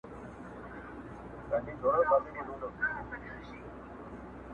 o د کلې خلگ به دي څه ډول احسان ادا کړې.